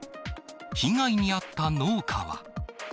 被害に遭った農家は。